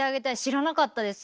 知らなかったです。